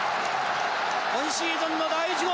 今シーズンの第１号。